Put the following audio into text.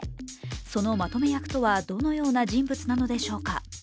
そのまとめ役とはどのような人物なのでしょうか。